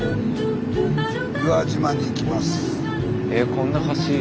こんな橋。